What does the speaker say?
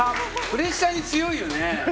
プレッシャーに強いよね。